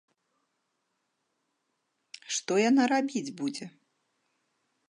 Што яна рабіць будзе?